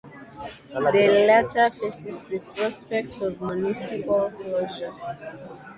The latter faces the prospect of municipal closure.